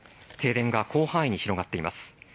停電が広範囲に広がっています。